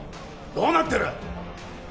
どうなってる？